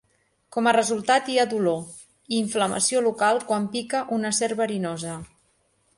Com a resultat hi ha dolor i inflamació local quan pica una serp verinosa.